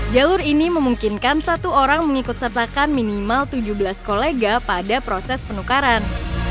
jalur ini memungkinkan satu orang mengikut sertakan minimal tujuh belas kolega pada proses penukaran